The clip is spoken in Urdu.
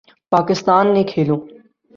پاکستان نے کھیلو